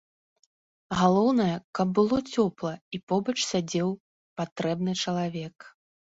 Галоўнае, каб было цёпла і побач сядзеў патрэбны чалавек!